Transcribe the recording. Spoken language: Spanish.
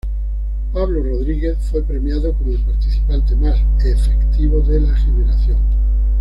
Pablo Rodríguez fue premiado como el participante más efectivo de la Generación.